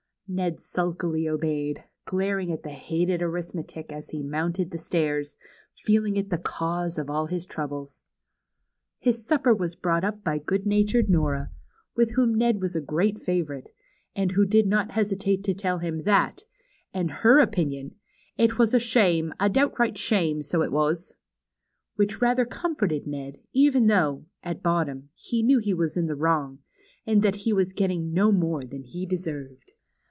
Ned sulkily obeyed, glaring at the bated arithmetic as be mounted the stairs, feeling it the cause of all his troubles. His supper was brought up by good natured Nora, Avitb wliom Ned was a great favorite, and Avbo did not hesitate to tell him that, in her opinion, it was a shame, a downright shame, so it was," Avhich rather comforted Ned, even though, at bottom, he knew he was in the wrong, and that he, Avas getting no more than he deserved.